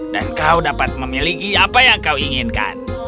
dan kau dapat memiliki apa yang kau inginkan